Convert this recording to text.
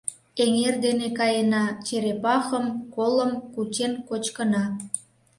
Эҥер дене каена, черепахым, колым кучен кочкына.